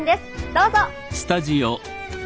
どうぞ！